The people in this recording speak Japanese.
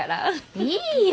いいよ